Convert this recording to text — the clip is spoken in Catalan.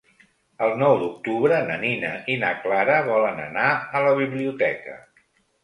El nou d'octubre na Nina i na Clara volen anar a la biblioteca.